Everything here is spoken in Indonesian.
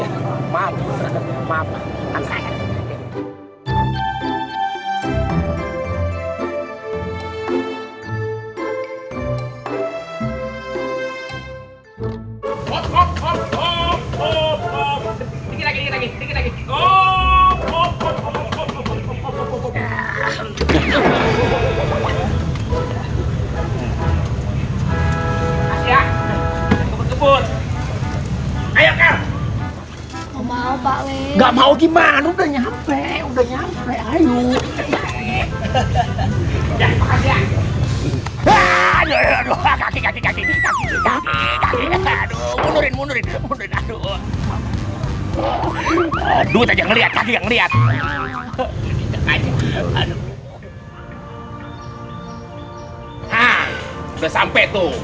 haa udah sampe tuh